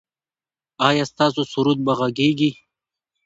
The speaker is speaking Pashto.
ایا ستاسو سرود به غږیږي؟